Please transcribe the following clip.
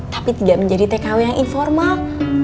tapi tidak menjadi tkw yang informal